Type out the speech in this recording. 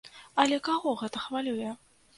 Але каго гэта хвалюе?